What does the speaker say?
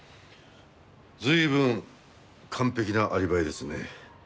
随分完璧なアリバイですね。